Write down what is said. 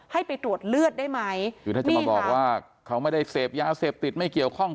ให้ไปตรวจเลือดได้ไหมคือถ้าจะมาบอกว่าเขาไม่ได้เสพยาเสพติดไม่เกี่ยวข้อง